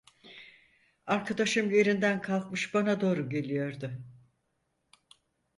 Arkadaşım yerinden kalkmış bana doğru geliyordu.